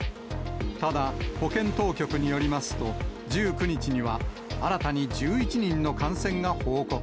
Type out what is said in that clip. ただ、保健当局によりますと、１９日には、新たに１１人の感染が報告。